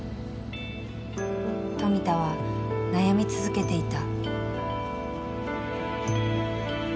富田は悩み続けていた。